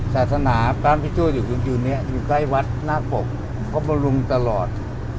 ศาสนาการพี่เจ้าอยู่ใกล้วัดนาคมเขาบรรลุงตลอด